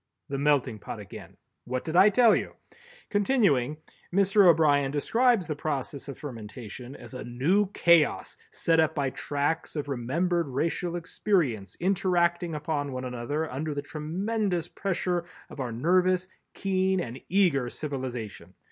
_" The Melting Pot again! What did I tell you! Continuing, Mr. O'Brien describes the process of fermentation as a new chaos set up by tracts of remembered racial experience interacting upon one another under the tremendous pressure of our nervous, keen and eager civilization.